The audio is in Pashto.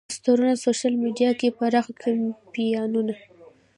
پوسترونه، سوشیل میډیا کې پراخ کمپاینونه.